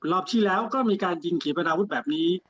รอบที่แล้วก็มีการยิงขี่ปนาวุธแบบนี้